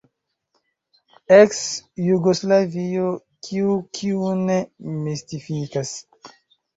Eks-Jugoslavio: kiu kiun mistifikas?